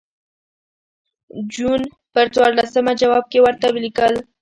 جون پر څوارلسمه جواب کې ورته ولیکل.